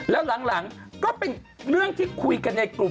แล้วหลังก็เป็นเรื่องที่คุยกันในกลุ่ม